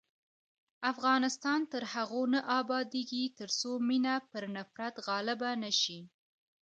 افغانستان تر هغو نه ابادیږي، ترڅو مینه پر نفرت غالبه نشي.